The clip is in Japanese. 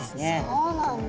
そうなんだ。